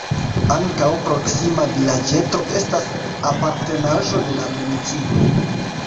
Ankaŭ proksima vilaĝeto estas apartenaĵo de la municipo.